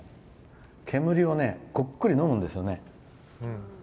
煙をねごっくりのむんですよね。